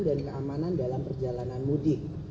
dan keamanan dalam perjalanan mudik